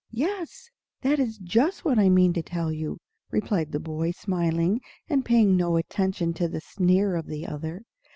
"Yes, that is just what I mean to tell you," replied the boy, smiling, and paying no attention to the sneer of the other.